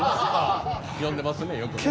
詠んでますねよくね。